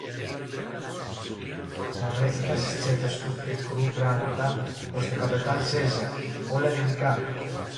Μα βρέθηκαν στις τσέπες του νεκρού γράμματα προς τον καπετάν-Ζέζα, όλα ελληνικά